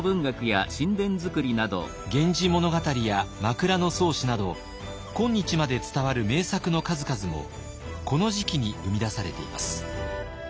「源氏物語」や「枕草子」など今日まで伝わる名作の数々もこの時期に生み出されています。